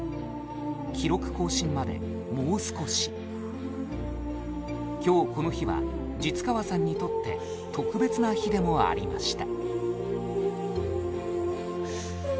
記録更新までもう少し今日この日は實川さんにとって特別な日でもありました